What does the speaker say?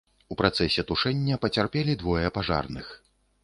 У працэсе тушэння пацярпелі двое пажарных.